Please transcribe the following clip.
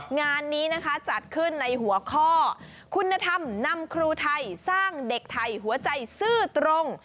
งานนี้นะคะจัดขึ้นในหัวข้อคุณธรรมนำครูไทยสร้างเด็กไทยหัวใจซื่อตรง